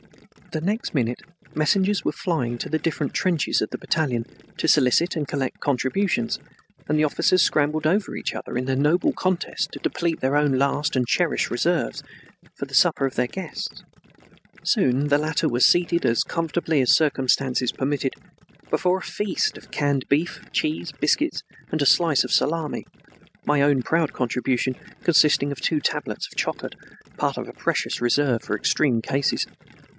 The next minute messengers were flying to the different trenches of the battalion to solicit and collect contributions, and the officers scrambled over each other in their noble contest to deplete their own last and cherished reserves for the supper of the guests. Soon the latter were seated as comfortably as circumstances permitted before a feast of canned beef, cheese, biscuits, and a slice of salami, my own proud contribution consisting of two tablets of chocolate, part of a precious reserve for extreme cases.